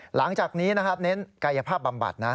หลังจากนี้นะครับเน้นกายภาพบำบัดนะ